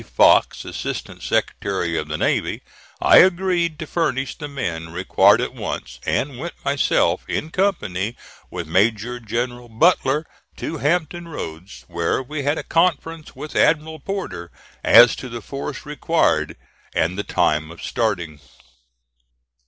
Fox, Assistant Secretary of the Navy, I agreed to furnish the men required at once, and went myself, in company with Major General Butler, to Hampton Roads, where we had a conference with Admiral Porter as to the force required and the time of starting.